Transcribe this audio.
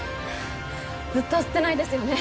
ずっと吸ってないですよね